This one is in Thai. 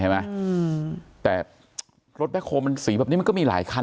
อืมแต่รถแบ็คโฮลมันสีแบบนี้มันก็มีหลายคัน